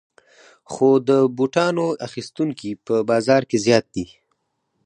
خو د بوټانو اخیستونکي په بازار کې زیات دي